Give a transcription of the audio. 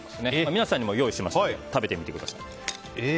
皆さんにも用意しましたので食べてみてください。